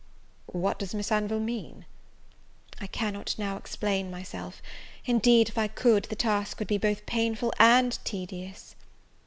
"What does Miss Anville mean?" "I cannot now explain myself; indeed, if I could, the task would be both painful and tedious."